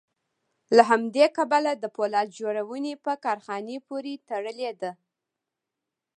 له همدې کبله د پولاد جوړونې په کارخانې پورې تړلې ده